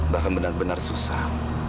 bahkan benar benar susah